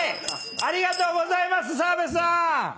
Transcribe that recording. ありがとうございます澤部さん！